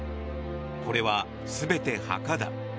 これは、全て墓だ。